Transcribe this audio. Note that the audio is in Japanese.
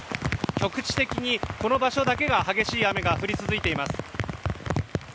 局地的にこの場所だけに激しい雨が降り続いています。